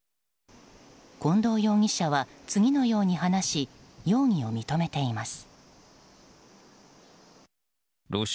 近藤容疑者は次のように話し容疑を認めています。